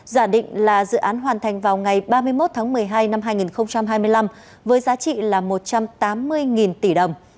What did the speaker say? giả định là dự án hoàn thành vào ngày ba mươi một tháng một mươi hai năm hai nghìn hai mươi năm với giá trị là một trăm tám mươi tỷ đồng